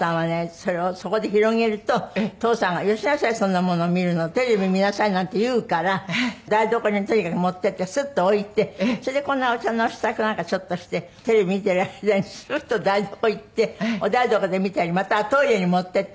それをそこで広げると父さんが「よしなさいそんなもの見るの」「テレビ見なさい」なんて言うから台所にとにかく持って行ってスッと置いてそれでこんなお茶の支度なんかちょっとしてテレビ見てる間にスッと台所行ってお台所で見たりまたはトイレに持って行って。